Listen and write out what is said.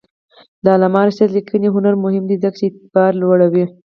د علامه رشاد لیکنی هنر مهم دی ځکه چې اعتبار لوړوي.